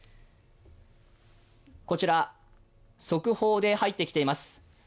こちら速報で入ってきています。